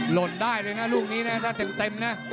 หล่นได้เลยนะลูกนี้นะถ้าเต็มนะ